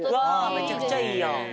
めちゃくちゃいいやん。